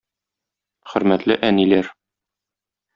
Хөрмәтле әниләр!